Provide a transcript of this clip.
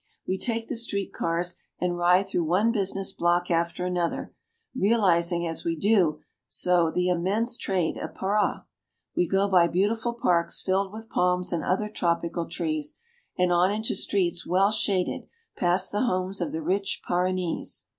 We take the street cars and ride through one business block after another, realizing as we do so the immense trade of Para. We go by beautiful parks, filled with palms and other tropical trees, and on into streets well shaded, past the homes of the rich Paranese.